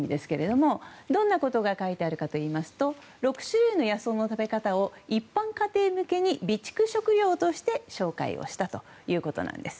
どんなことが書いてあるかといいますと６種類の野草の食べ方を一般家庭に向けに備蓄食料として紹介したということです。